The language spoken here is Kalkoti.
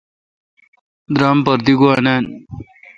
درام پر دی گُو نان۔